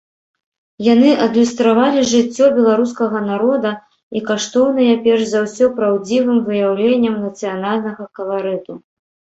Яны адлюстравалі жыццё беларускага народа і каштоўныя перш за ўсё праўдзівым выяўленнем нацыянальнага каларыту.